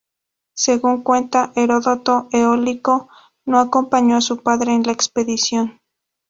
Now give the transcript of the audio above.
Según cuenta Heródoto, Eólico no acompañó a su padre en la expedición.